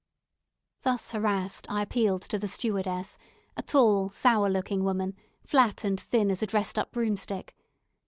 Thus harassed, I appealed to the stewardess a tall sour looking woman, flat and thin as a dressed up broomstick.